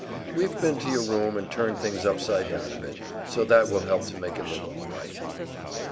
We've been to your room and turned things upside down a bit, so that will help to make it look all right."